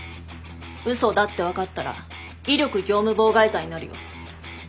うそだって分かったら威力業務妨害罪になるよ。